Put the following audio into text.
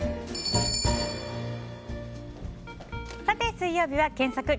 さて、水曜日は検索！